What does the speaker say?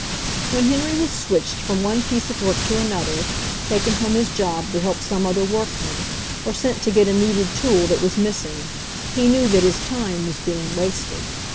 When Henry was switched from one piece of work to another, taken from his job to help some other workman, or sent to get a needed tool that was missing, he knew that his time was being wasted.